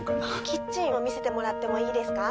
キッチンを見せてもらってもいいですか？